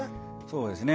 そうですね。